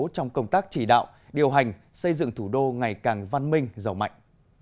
trong công tác chỉ đạo điều hành xây dựng thủ đô ngày càng văn minh giàu mạnh